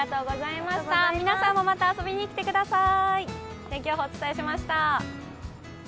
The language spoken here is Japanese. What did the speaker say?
皆さんもまた遊びに来てください。